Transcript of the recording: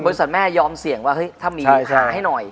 บริษัทแม่ยอมเสี่ยงว่าถ้ามีหาให้หน่อย